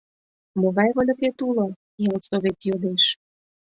— Могай вольыкет уло? — ял совет йодеш.